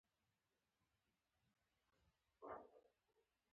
چې فرمايلي يې دي.